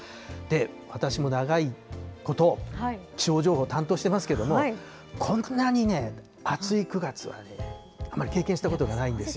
私も長いこと、気象情報担当していますけれども、こんなに暑い９月はあまり経験したことがないんですよ。